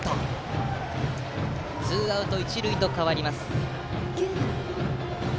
ツーアウト、一塁と変わります。